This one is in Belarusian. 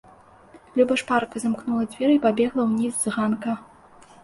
Люба шпарка замкнула дзверы і пабегла ўніз з ганка.